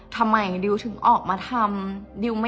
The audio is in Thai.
เพราะในตอนนั้นดิวต้องอธิบายให้ทุกคนเข้าใจหัวอกดิวด้วยนะว่า